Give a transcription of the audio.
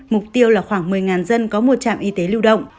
mục tiêu là khoảng một mươi dân có một trạm y tế lưu động